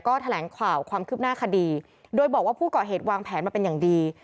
ก็แถลงข่าวความคืบหน้าคดีโดยบอกว่าผู้ก่อเหตุวางแผนมาเป็นอย่างดี